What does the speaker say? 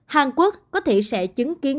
hàn quốc có thể sẽ chứng kiến